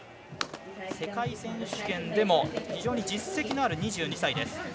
世界選手権でも非常に実績のある２２歳です。